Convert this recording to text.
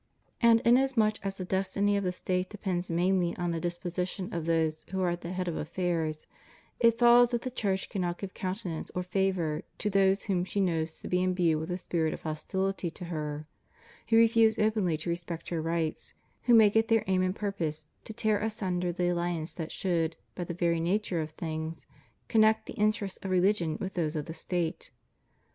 And inasmuch as the destiny of the State depends mainly on the disposition of those who are at the head of affairs, it follows that the Church cannot give countenance or favor to those whom she knows to be imbued with a spirit of hostility to her; who refuse openly to respect her rights; who make it their aim and purpose to tear asunder the alliance that should, by the very nature of things, connect the interests of religion with those of the State.